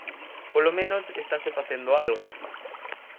Polo menos, estase facendo algo.